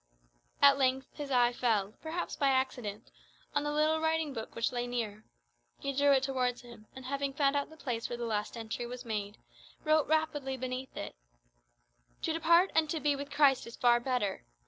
At length his eye fell, perhaps by accident, on the little writing book which lay near. He drew it towards him, and having found out the place where the last entry was made, wrote rapidly beneath it, "To depart and to be with Christ is far better.